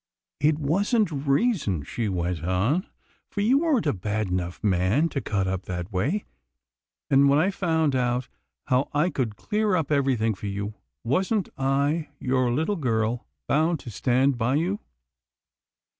" It wasn't reason," she went on, " for you weren't a bad enough man to cut up that way, and, when I found out how I could clear up everything for you, wasn't I, your little girl, bound to stand by you